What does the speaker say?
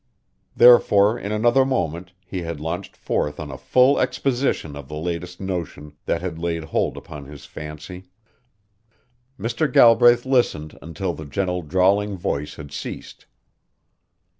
Therefore in another moment he had launched forth on a full exposition of the latest notion that had laid hold upon his fancy. Mr. Galbraith listened until the gentle drawling voice had ceased.